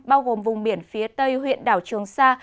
bao gồm vùng biển phía tây huyện đảo trường sa